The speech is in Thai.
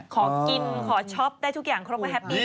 ขอกินขอช็อปได้ทุกอย่างครบก็แฮปปี้